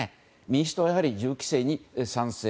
民主党はやはり銃規制に賛成。